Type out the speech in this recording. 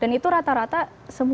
dan itu rata rata semua